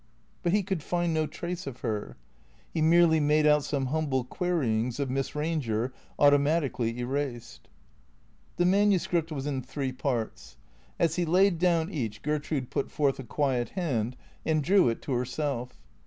But he could find no trace of her. He merely made out some humble queryings of Miss Eanger, automatically erased. THECEEATORS 489 The manuscript was in three Parts. As he laid down each, Gertrude put forth a quiet hand and drew it to herself.